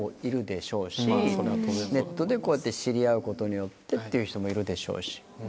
ネットでこうやって知り合うことによってっていう人もいるでしょうし。